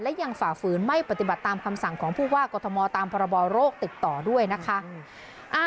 และยังฝ่าฝืนไม่ปฏิบัติตามคำสั่งของผู้ว่ากรทมตามพรบโรคติดต่อด้วยนะคะ